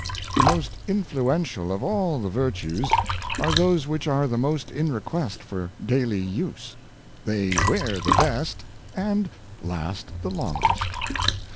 The most influential of all the virtues are those which are the most in request for daily use. They wear the best, and last the longest.